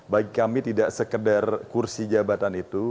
bagi kami tidak sekedar kursi jabatan itu